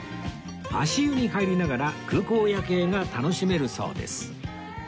足湯に入りながら空港夜景が楽しめるそうです